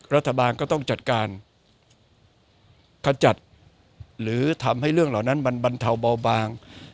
รัฐบาลก็ต้องจัดการขจัดหรือทำให้เรื่องเหล่านั้นมันบรรเทาเบาบาง